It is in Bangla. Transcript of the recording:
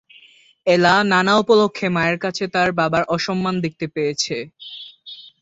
এলা নানা উপলক্ষ্যে মায়ের কাছে তার বাবার অসম্মান দেখতে পেয়েছে।